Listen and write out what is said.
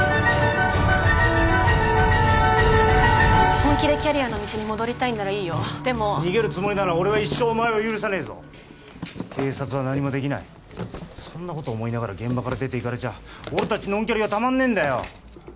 本気でキャリアの道に戻りたいんならいいよでも逃げるつもりなら俺は一生お前を許さねえぞ警察は何もできないそんなこと思いながら現場から出ていかれちゃ俺達ノンキャリはたまんねえんだよ！